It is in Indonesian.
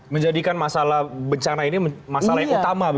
bencana ini masalah utama